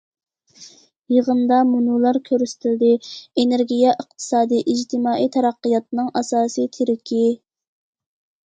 يىغىندا مۇنۇلار كۆرسىتىلدى: ئېنېرگىيە ئىقتىسادىي، ئىجتىمائىي تەرەققىياتنىڭ ئاساسىي تىرىكى.